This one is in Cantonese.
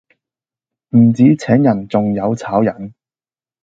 唔止請人仲有炒人